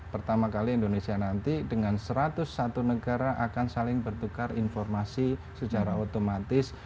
pertama kali indonesia nanti dengan satu ratus satu negara akan saling bertukar informasi secara otomatis